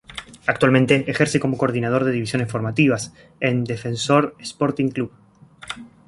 Actualmente ejerce como Coordinador de Divisiones Formativas, en Defensor Sporting Club